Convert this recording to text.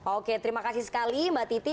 oke terima kasih sekali mbak titi